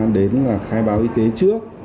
đến khai báo y tế trước